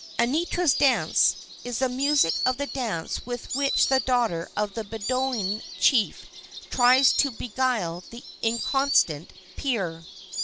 "Anitra's Dance" is the music of the dance with which the daughter of the Bedouin chief tries to beguile the inconstant Peer.